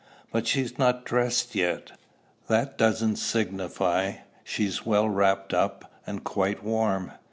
"But she's not dressed yet." "That doesn't signify. She's well wrapped up, and quite warm."